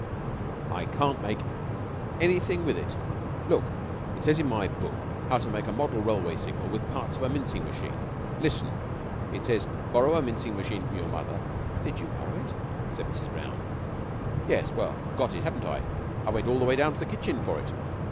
"I can't make anything with it. Look! It says in my book 'How to make a model railway signal with parts of a mincing machine.' Listen! It says, 'Borrow a mincing machine from your mother " "Did you borrow it?" said Mrs. Brown. "Yes. Well, I've got it, haven't I? I went all the way down to the kitchen for it."